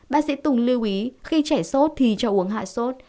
bác sĩ tùng lưu ý khi trẻ sốt thì cho uống hạ sốt